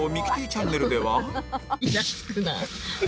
チャンネルでは